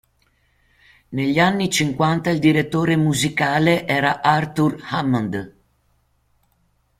Negli anni cinquanta il direttore musicale era Arthur Hammond.